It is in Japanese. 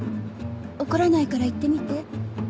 怒らないから言ってみて。